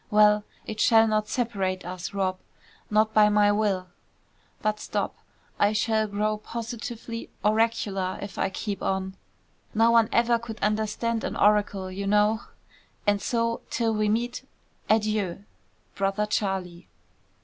Well, it shall not separate us, Rob.; not by my will. But stop. I shall grow positively oracular if I keep on, (no one ever could understand an oracle, you know) and so, till we meet, adieu. "BROTHER CHARLIE."